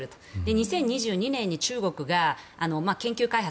２０２２年に中国が、研究開発